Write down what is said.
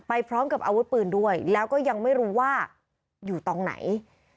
พร้อมกับอาวุธปืนด้วยแล้วก็ยังไม่รู้ว่าอยู่ตรงไหน